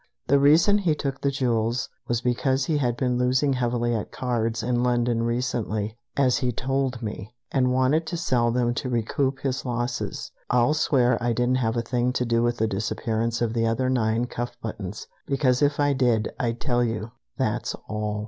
The reason he took the jewels was because he had been losing heavily at cards in London recently, as he told me, and wanted to sell them to recoup his losses. I'll swear I didn't have a thing to do with the disappearance of the other nine cuff buttons, because if I did, I'd tell you. That's all."